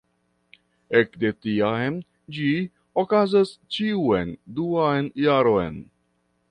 Ekde tiam ĝi okazas ĉiun duan jaron.